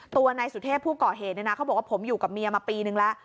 ตัวนายสุเทพผู้ก่อเหตุเนี่ยนะเขาบอกว่าผมอยู่กับเมียมาปีนึงแล้ว